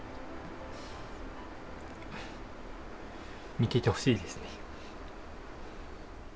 見ていてほしいですね。